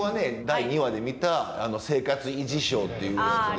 第２話で見た「生活維持省」っていうやつで。